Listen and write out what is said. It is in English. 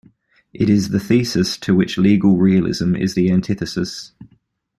It is the thesis to which legal realism is the antithesis.